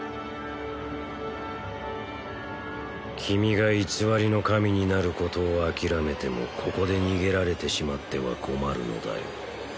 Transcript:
君が偽りの神になることを諦めてもここで逃げられてしまっては困るのだよ